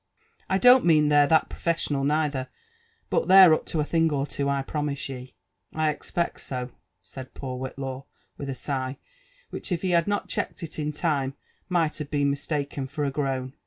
I don't mean they're that professional neither; but they're up to a thing or two, I promise ye." *' I expect so,'* said poor Whillaw, with a sigh, which if he had not checked it in time, might have been mistaken for a groan.